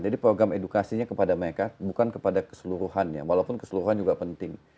program edukasinya kepada mereka bukan kepada keseluruhannya walaupun keseluruhan juga penting